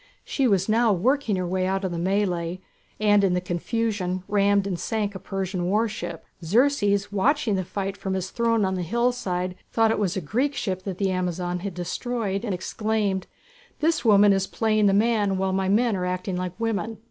She was now working her way out of the mêlée, and in the confusion rammed and sank a Persian warship. Xerxes, watching the fight from his throne on the hillside, thought it was a Greek ship that the Amazon had destroyed and exclaimed: "This woman is playing the man while my men are acting like women!"